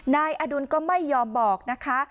นายอดุลก็ไม่ยอมบอกนะคะ